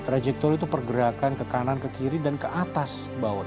trajektor itu pergerakan ke kanan ke kiri dan ke atas bawah